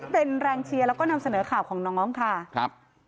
เป็นแรงเชียร์และนำเสนอข่าวของน้องค่ะ